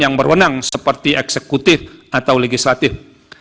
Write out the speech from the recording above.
yang berwenang seperti eksekutif atau legislatif